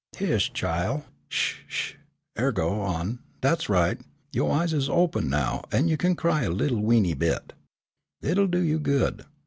"Heish, chile, sh, sh, er go on, dat's right, yo' eyes is open now an' you kin cry a little weenty bit. It'll do you good.